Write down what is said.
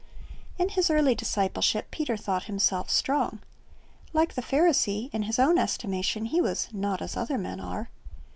In his early discipleship Peter thought himself strong. Like the Pharisee, in his own estimation he was "not as other men are."